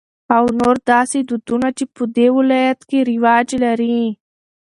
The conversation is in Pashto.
او نور داسې دودنه چې په د ولايت کې رواج لري.